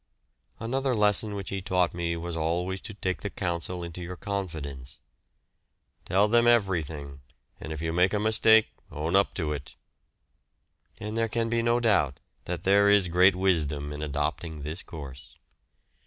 Another lesson which he taught me was always to take the Council into your confidence. "Tell them everything, and if you make a mistake own up to it;" and there can be no doubt that there is great wisdom in adopting this course.